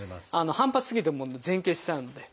反発し過ぎても前傾しちゃうので。